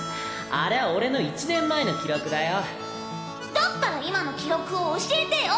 あれは俺の１年前の記録だよだったら今の記録を教えてよ！